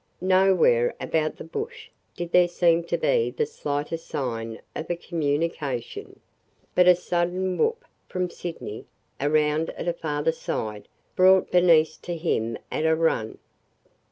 Nowhere about the bush did there seem to be the slightest sign of a communication, but a sudden whoop from Sydney, around at a farther side, brought Bernice to him at a run.